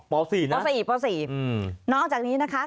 ป๔นะป๔ป๔นอกจากนี้นะคะ